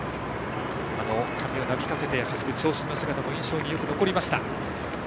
髪をなびかして走る長身の姿もよく印象に残りました。